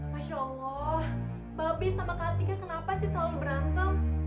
masya allah mba be sama kak tika kenapa sih selalu berantem